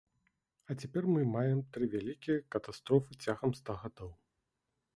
А цяпер мы маем тры вялікія катастрофы цягам ста гадоў.